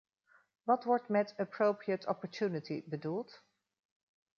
Wat wordt met appropriate opportunity bedoeld?